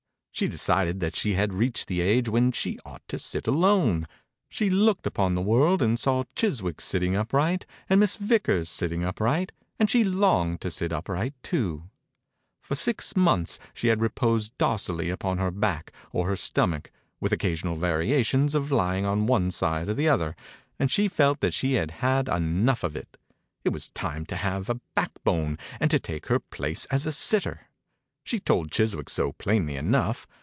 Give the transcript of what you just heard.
She decided that she had reached the age when she ought to sit alone. She looked upon the world and saw Chiswick sitting upright and Miss Vickers sitting upright and she longed to sit upright too. For six months she had reposed docilely upon her back or her stomach, with occasional variations of lying on one side or the other, 37 THE INCUBATOR BABY and she felt that she had had enough of it. It was time to have a backbone and to take her place as a sitter. She told Chiswick so plainly enough.